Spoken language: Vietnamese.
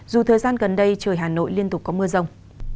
dù thời gian gần đây trời hà nội liên tục có mưa rông